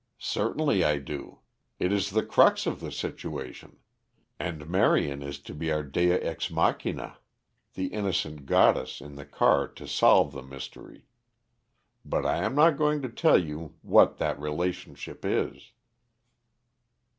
"Certainly I do. It is the crux of the situation. And Marion is to be our dea ex machina, the innocent goddess in the car to solve the mystery. But I am not going to tell you what that relationship is."